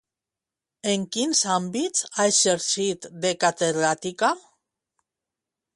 En quins àmbits ha exercit de catedràtica?